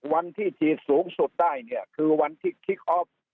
วันที่ฉีดสูงสุดได้เนี่ยคือวันที่คิกออฟ